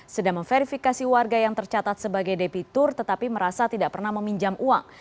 sedang memverifikasi warga yang tercatat sebagai debitur tetapi merasa tidak pernah meminjam uang